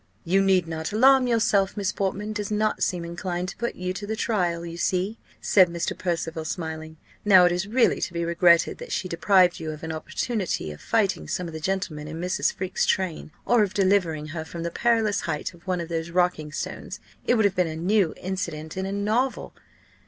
"You need not alarm yourself: Miss Portman does not seem inclined to put you to the trial, you see," said Mr. Percival, smiling. "Now it is really to be regretted, that she deprived you of an opportunity of fighting some of the gentlemen in Mrs. Freke's train, or of delivering her from the perilous height of one of those rocking stones. It would have been a new incident in a novel."